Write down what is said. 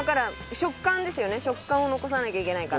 食感を残さなきゃいけないから。